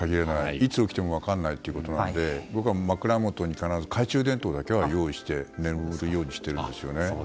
いつ起きるか分からないということなので僕は枕元に必ず懐中電灯だけは用意して眠るようにしているんですよね。